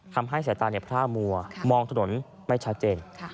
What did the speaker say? ทำให้สายตาพร่ามัวมองถนนไม่ชัดเจน